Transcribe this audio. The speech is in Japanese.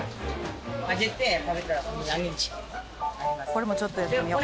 これもちょっとやってみよう。